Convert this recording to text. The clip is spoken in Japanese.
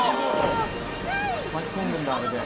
巻き込んでるんだあれで。